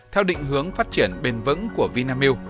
theo định hướng phát triển bền vững của vinamilk